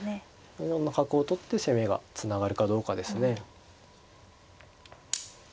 ４四の角を取って攻めがつながるかどうかですね。